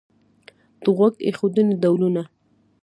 د غوږ ایښودنې ډولونه